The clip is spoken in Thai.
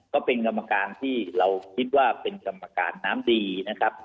ก็เป็นกรรมการที่เราคิดว่าเป็นกรรมการน้ำดีนะครับ